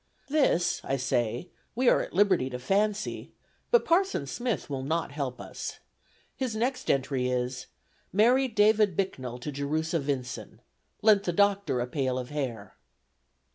This, I say, we are at liberty to fancy, but Parson Smith will not help us. His next entry is: "Married David Bicknell to Jerusha Vinsen. Lent the Dr. a pail of hair."